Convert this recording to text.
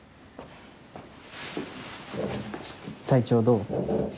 体調どう？